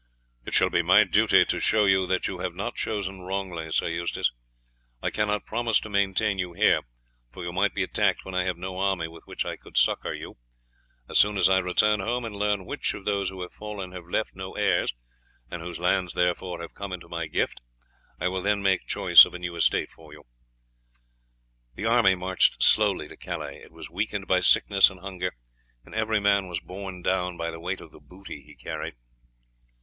"It shall be my duty to show you that you have not chosen wrongly, Sir Eustace. I cannot promise to maintain you here, for you might be attacked when I have no army with which I could succour you. As soon as I return home and learn which of those who have fallen have left no heirs, and whose lands therefore have come into my gift, I will then make choice of a new estate for you." The army marched slowly to Calais. It was weakened by sickness and hunger, and every man was borne down by the weight of the booty he carried.